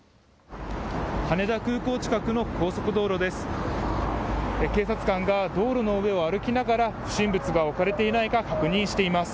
羽田空港近くの高速道路です。